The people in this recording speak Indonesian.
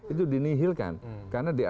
itu dinihilkan karena